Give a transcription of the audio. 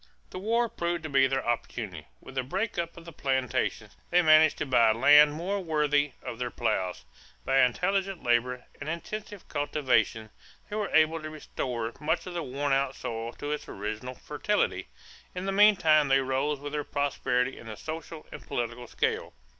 The war proved to be their opportunity. With the break up of the plantations, they managed to buy land more worthy of their plows. By intelligent labor and intensive cultivation they were able to restore much of the worn out soil to its original fertility. In the meantime they rose with their prosperity in the social and political scale.